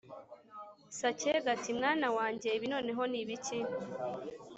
Sacyega ati «mwana wanjye ibi noneho ni ibiki?»